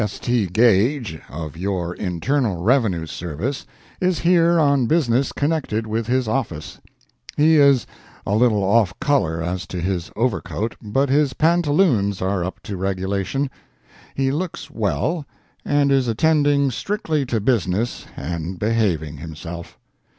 S. T. Gage of your Internal Revenue service, is here on business connected with his office. He is a little off color as to his overcoat, but his pantaloons are up to regulation. He looks well, and is attending strictly to business and behaving himself.